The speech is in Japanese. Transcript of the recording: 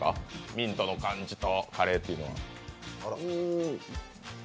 ミントとカレーというのは。